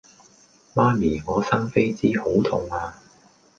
媽咪我生痱滋好痛呀